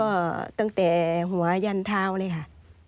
ก็ตั้งแต่หัวยันเท้าเลยค่ะ